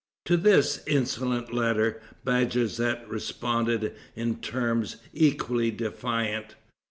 To this insolent letter, Bajazet responded in terms equally defiant.